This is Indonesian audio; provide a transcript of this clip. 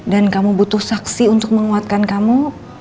dan kamu butuh saksi untuk menguatkan kamu